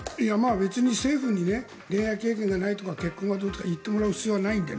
別に政府に恋愛経験がないとか結婚がどうとか言ってもらう必要はないので。